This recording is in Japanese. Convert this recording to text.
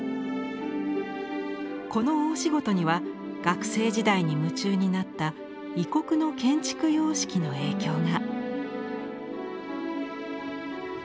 この大仕事には学生時代に夢中になった異国の建築様式の影響が。